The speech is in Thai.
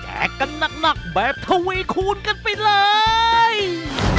กันหนักแบบทวีคูณกันไปเลย